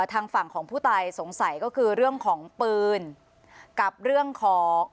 ทางฝั่งของผู้ตายสงสัยก็คือเรื่องของปืนกับเรื่องของ